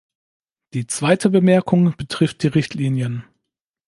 Die zweite Bemerkung betrifft die Richtlinien.